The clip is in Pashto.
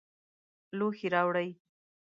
لوښي راوړئ